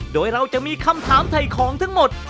โดยเราจะมีคำถามถ่ายของทั้งหมด